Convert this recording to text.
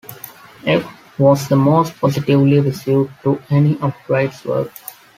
"F" was the most positively received to any of Wright's work.